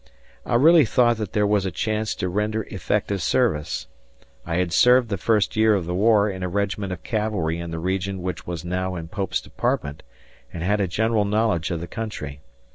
I really thought that there was a chance to render effective service. I had served the first year of the war in a regiment of cavalry in the region which was now in Pope's department and had a general knowledge of the country.